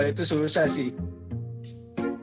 kalau itu susah sih